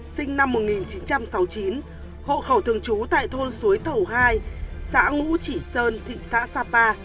sinh năm một nghìn chín trăm sáu mươi chín hộ khẩu thường trú tại thôn suối thầu hai xã ngũ chỉ sơn thị xã sapa